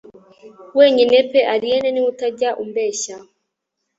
Wenyine pe Allayne niwe utajya umbeshya